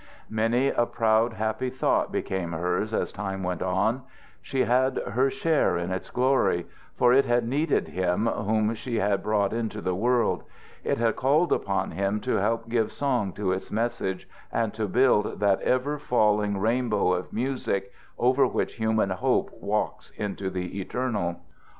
Many a proud happy thought became hers as time went on. She had had her share in its glory, for it had needed him whom she had brought into the world. It had called upon him to help give song to its message and to build that ever falling rainbow of music over which human Hope walks into the eternal.